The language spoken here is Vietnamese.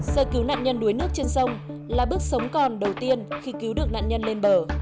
sơ cứu nạn nhân đuối nước trên sông là bước sống còn đầu tiên khi cứu được nạn nhân lên bờ